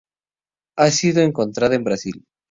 Ha sido encontrada en Brasil.